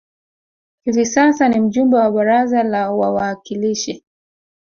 Hivi sasa ni mjumbe wa baraza la wawakilishi